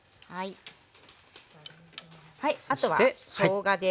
あとはしょうがです。